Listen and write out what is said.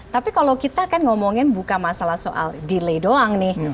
tapi kalau kita kan ngomongin bukan masalah soal delay doang nih